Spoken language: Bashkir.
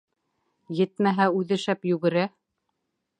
Етмәһә, үҙе шәп йүгерә.